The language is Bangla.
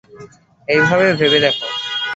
এইভাবে ভেবে দেখো।